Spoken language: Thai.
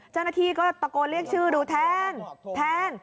เจ้าหน้าที่ก็ตะโกนเรียกชื่อดูแทนแทน